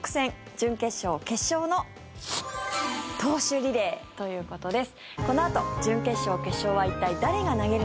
準決勝・決勝の投手リレーということです。